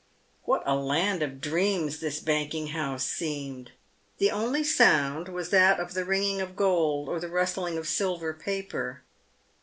What a land of dreams this banking house seemed. The only sound was that of the ringing of gold or the rustling of silver paper.